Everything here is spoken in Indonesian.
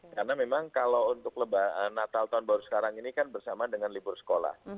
karena memang kalau untuk natal tahun baru sekarang ini kan bersama dengan libur sekolah